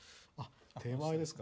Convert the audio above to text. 手前ですか。